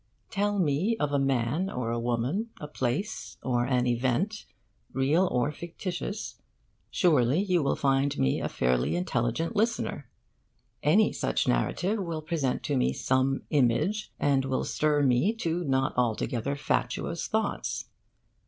Tell me of a man or a woman, a place or an event, real or fictitious: surely you will find me a fairly intelligent listener. Any such narrative will present to me some image, and will stir me to not altogether fatuous thoughts.